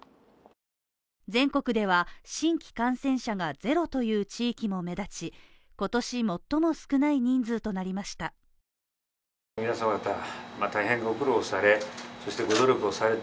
全国では新規感染者が０という地域も目立ち、今年最も少ない人数となりました。